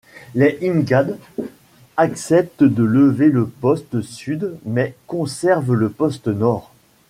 Les Imghad acceptent de lever le poste sud mais conservent le poste nord.